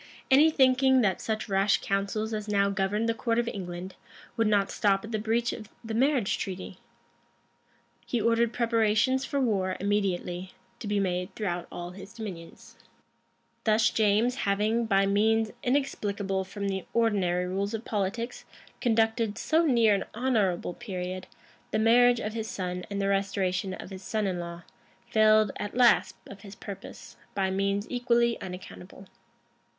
[*] Any thinking that such rash counsels as now governed the court of England, would not stop at the breach of the marriage treaty, he ordered preparations for war immediately to be made throughout all his dominions.[] Thus James, having, by means inexplicable from the ordinary rules of politics, conducted, so near an honorable period, the marriage of his son and the restoration of his son in law, failed at last of his purpose, by means equally unaccountable.